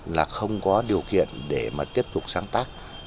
là không có điều kiện để mà tiếp tục sáng tác